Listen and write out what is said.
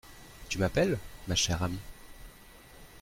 Tu m’appelles ? ma chère amie…